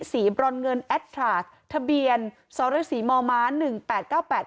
บรอนเงินแอดทราสทะเบียนสรสีมอม้าหนึ่งแปดเก้าแปด